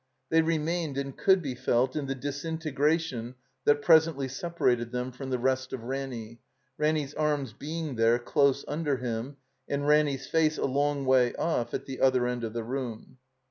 They remained and could be felt in the disintegra tion that presently separated them from the rest of Ranny, Ranny's arms being there, close imder him, and Ranny's face a long way off at the other end of the room.